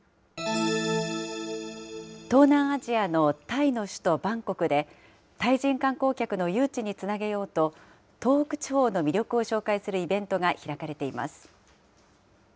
東南アジアのタイの首都バンコクで、タイ人観光客の誘致につなげようと、東北地方の魅力を紹介するイベントが開かれています。